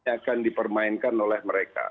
akan dipermainkan oleh mereka